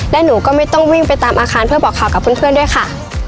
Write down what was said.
และหนูก็ไม่ต้องวิ่งไปตามอาคารเพื่อบอกข่าวกับเพื่อนด้วยค่ะ